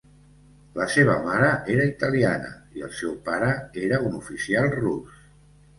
La seva mare era italiana, i el seu pare era un oficial rus.